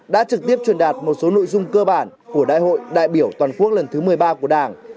đã trực tiếp truyền đạt một số nội dung cơ bản của đại hội đại biểu toàn quốc lần thứ một mươi ba của đảng